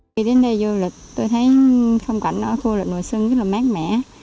khi đến đây du lịch tôi thấy không cảnh ở khu lịch nội sân rất là mát mẻ